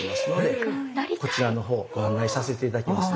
こちらの方ご案内させて頂きますね。